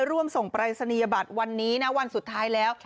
ร่วมส่งปรายศนียบัตรวันนี้นะวันสุดท้ายแล้ว